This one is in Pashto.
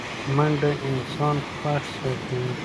منډه انسان خوښ ساتي